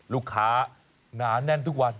ลูกค้าหนาแน่นทุกวัน